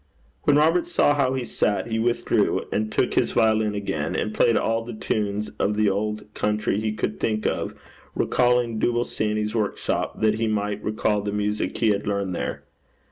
When Robert saw how he sat, he withdrew, and took his violin again, and played all the tunes of the old country he could think of, recalling Dooble Sandy's workshop, that he might recall the music he had learnt there.